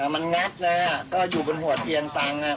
มันงัดเลยก็อยู่บนหัวเตียงตังค์